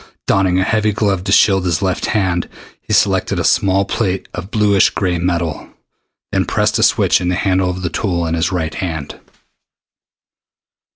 Donning a heavy glove to shield his left hand, he selected a small plate of bluish gray metal, then pressed a switch in the handle of the tool in his right hand.